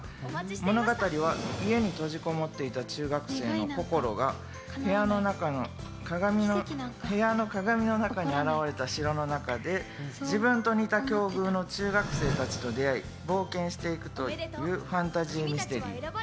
物語は家に閉じこもっていた中学生のこころが部屋の鏡の中に現れた城の中で自分と似た境遇の中学生たちと出会い、冒険していくというファンタジーミステリー。